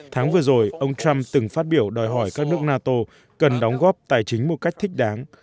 tháng vừa rồi ông trump từng phát biểu đòi hỏi các nước nato cần đóng góp tài chính một cách thích đáng